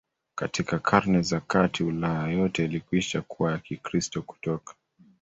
Katika Karne za Kati Ulaya yote ilikwisha kuwa ya Kikristo Kutoka